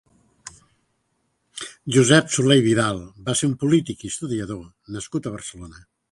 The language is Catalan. Josep Soler i Vidal va ser un polític i historiador nascut a Barcelona.